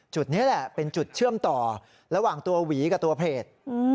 จุดนี้แหละเป็นจุดเชื่อมต่อระหว่างตัวหวีกับตัวเพจ